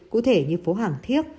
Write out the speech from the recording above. cụ thể như phố hàng thiếc